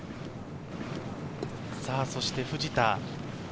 そして藤田。